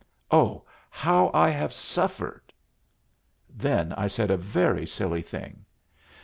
Oh, how I have suffered!" Then I said a very silly thing.